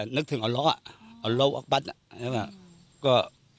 นึกถึงอร้องออกบัตรก็